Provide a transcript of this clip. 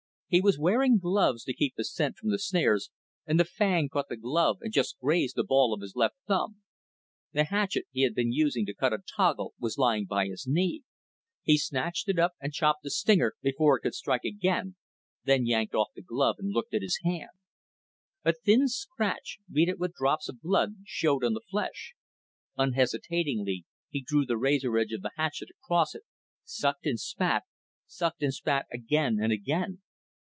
He was wearing gloves to keep his scent from the snares, and the fang caught the glove and just grazed the ball of his left thumb. The hatchet he had been using to cut a toggle was lying by his knee. He snatched it up and chopped the stinger before it could strike again, then yanked off the glove and looked at his hand. A thin scratch, beaded with drops of blood, showed on the flesh. Unhesitatingly, he drew the razor edge of the hatchet across it, sucked and spat, sucked and spat again and again.